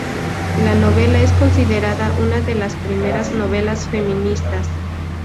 La novela es considerada una de las primeras novelas feministas.